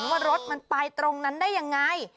ว่ารถมันไปตรงนั้นได้ยังไง